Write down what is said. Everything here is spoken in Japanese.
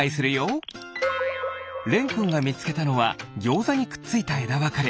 れんくんがみつけたのはぎょうざにくっついたえだわかれ。